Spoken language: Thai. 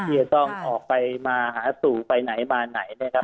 ที่จะต้องออกไปมาหาสู่ไปไหนมาไหนนะครับ